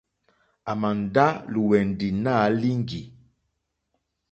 À mà ndá lùwɛ̀ndì nǎ líŋɡì.